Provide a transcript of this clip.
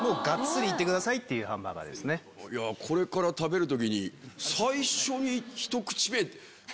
これから食べる時に。